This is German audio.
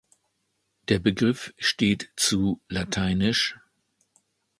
Der Begriff steht zu lat.